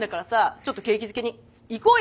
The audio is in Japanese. ちょっと景気づけにいこうよ！